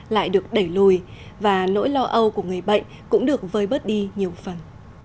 lại được đẩy lùi và nỗi lo âu của người bệnh cũng được vơi bớt đi nhiều phần